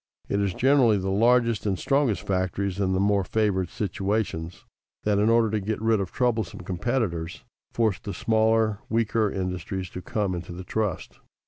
It is generally the largest and strongest factories, in the more favored situations, that, in order to get rid of troublesome competitors, force the smaller, weaker, industries to come into the trust.